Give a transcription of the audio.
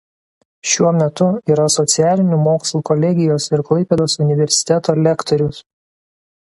Šiuo metu yra Socialinių mokslų kolegijos ir Klaipėdos universiteto lektorius.